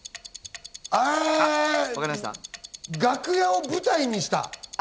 楽屋を舞台にした。